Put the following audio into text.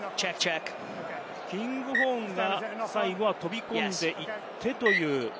キングホーンが最後は飛び込んでいってという。